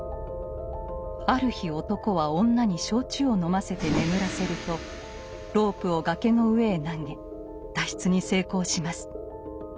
ある日男は女に焼酎を飲ませて眠らせるとロープを崖の上へ投げ脱出に成功します。